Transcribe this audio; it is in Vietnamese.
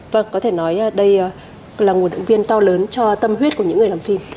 vâng có thể nói đây là nguồn động viên to lớn cho tâm huyết của những người làm phim